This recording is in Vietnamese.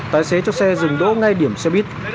tài xế cho xe dừng đỗ ngay điểm xe buýt